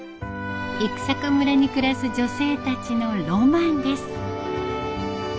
生坂村に暮らす女性たちのロマンです。